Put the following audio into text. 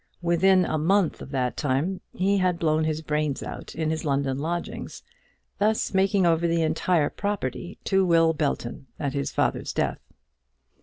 Within a month of that time he had blown his brains out in his London lodgings, thus making over the entire property to Will Belton at his father's death.